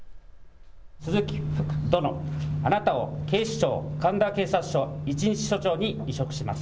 鈴木福殿、あなたを警視庁神田警察署、一日署長に委嘱します。